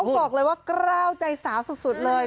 หุ่นเขาบอกเลยว่ากล้าวใจสาวสุดเลย